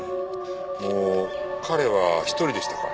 あの彼は一人でしたか？